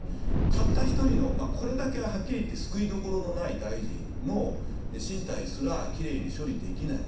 たった一人のこれだけはっきり言って救いどころのない大臣の進退すら奇麗に処理できない